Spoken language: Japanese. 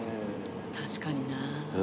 確かにな。